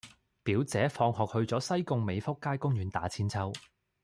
表姐放學去左西貢美福街公園打韆鞦